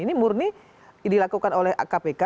ini murni dilakukan oleh kpk